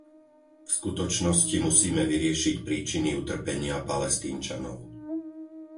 V skutočnosti musíme vyriešiť príčiny utrpenia Palestínčanov.